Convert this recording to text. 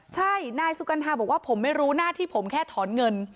ใช่นายสุกัณฑาบอกว่าผมไม่รู้หน้าที่ผมแค่ถอนเงิน